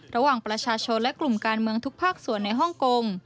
ระหว่างประชาชนและกลุ่มการเมืองทุกภาคส่วนในฮ่องกง